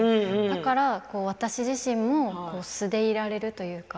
だから私自身も素でいられるというか。